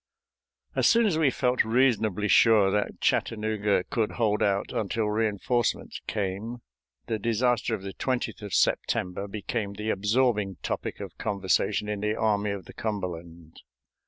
As soon as we felt reasonably sure that Chattanooga could hold out until re enforcements came, the disaster of the 20th of September became the absorbing topic of conversation in the Army of the Cumberland.